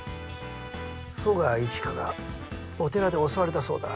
十川一華がお寺で襲われたそうだ。